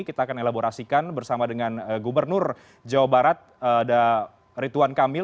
kita akan elaborasikan bersama dengan gubernur jawa barat ada rituan kamil